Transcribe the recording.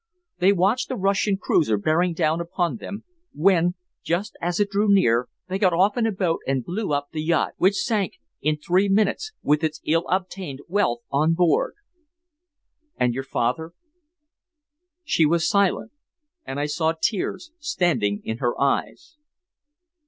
They watched a Russian cruiser bearing down upon them, when, just as it drew near, they got off in a boat and blew up the yacht, which sank in three minutes with its ill obtained wealth on board." "And your father?" She was silent, and I saw tears standing in her eyes.